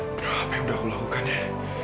udah apa yang udah aku lakukan ya